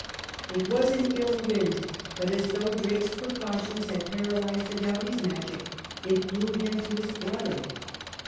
It was an ill wind, but as though Drake's precautions had paralysed the Doughties' magic, it blew him to his brother.